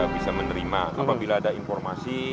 bisa menerima apabila ada informasi